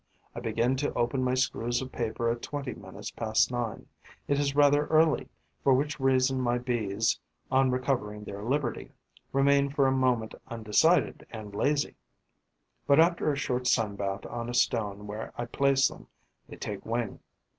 I begin to open my screws of paper at twenty minutes past nine. It is rather early, for which reason my Bees, on recovering their liberty, remain for a moment undecided and lazy; but, after a short sunbath on a stone where I place them, they take wing.